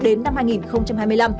đến năm hai nghìn hai mươi năm